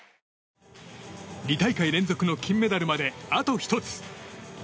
２大会連続の金メダルまであと１つ。